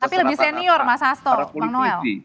tapi lebih senior mas hasto bang noel